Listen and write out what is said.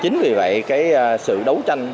chính vì vậy sự đấu tranh